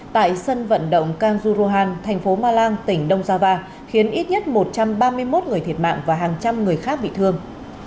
tại sân vận động kangjuruhan thành phố malang tỉnh dongjava khiến ít nhất một trăm ba mươi một người thiệt mạng và hàng trăm người khác bị thương